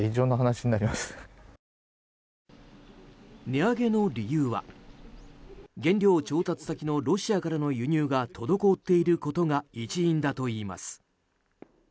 値上げの理由は原料調達先のロシアからの輸入が滞っていることが一因だといいます。